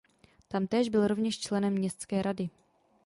Tamtéž byl rovněž členem městské rady.